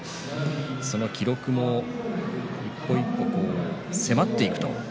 その記録を一歩一歩迫っていくという。